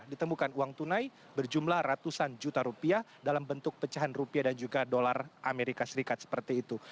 ditemukan uang tunai berjumlah ratusan juta rupiah dalam bentuk pecahan rupiah dan juga dolar amerika serikat seperti itu